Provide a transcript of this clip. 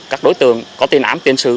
các đối tượng có tiền án tiền sự